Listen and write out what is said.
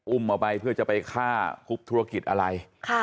เอาไปเพื่อจะไปฆ่าทุบธุรกิจอะไร